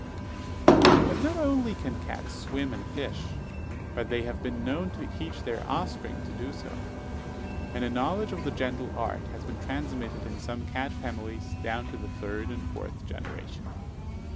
But not only can cats swim and fish, but they have been known to teach their offspring to do so; and a knowledge of the gentle art has been transmitted in some cat families down to the third and fourth generation.